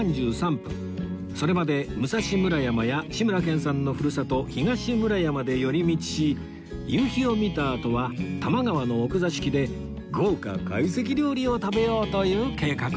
それまで武蔵村山や志村けんさんのふるさと東村山で寄り道し夕日を見たあとは多摩川の奥座敷で豪華会席料理を食べようという計画です